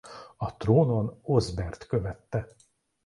A trónon Osbert követte.